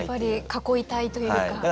囲いたいというか。